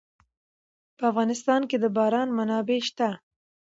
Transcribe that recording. په افغانستان کې د باران منابع شته.